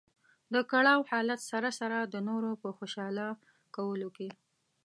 د کړاو حالت سره سره د نورو په خوشاله کولو کې.